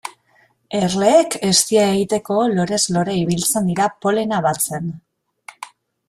Erleek eztia egiteko lorez lore ibiltzen dira polena batzen.